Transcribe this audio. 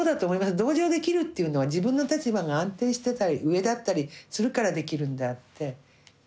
同情できるというのは自分の立場が安定してたり上だったりするからできるんであって。